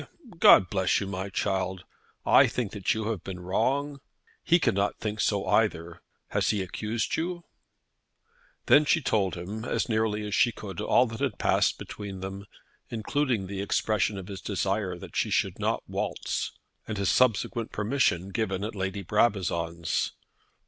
God bless you, my child. I think that you have been wrong! He cannot think so either. Has he accused you?" Then she told him, as nearly as she could, all that had passed between them, including the expression of his desire that she should not waltz, and his subsequent permission given at Lady Brabazon's.